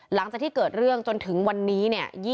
หลังจากที่เกิดเรื่องจนถึงวันนี้เนี่ย